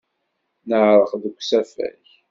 Neɛreq deg usafag.